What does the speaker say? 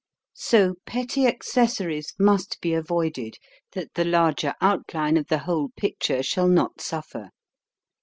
So petty accessories must be avoided, that the larger outline of the whole picture shall not suffer.